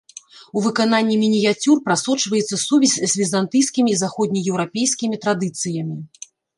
У выкананні мініяцюр прасочваецца сувязь з візантыйскімі і заходнееўрапейскімі традыцыямі.